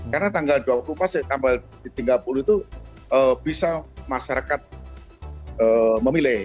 karena tanggal dua puluh empat sampai tiga puluh itu bisa masyarakat memilih